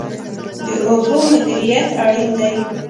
د اوبو مدیریت اړین دی.